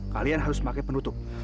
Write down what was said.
kalian harus pakai penutup